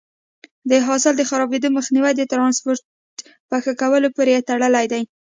د حاصل د خرابېدو مخنیوی د ټرانسپورټ په ښه کولو پورې تړلی دی.